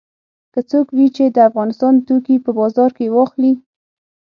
که څوک وي چې د افغانستان توکي په بازار کې واخلي.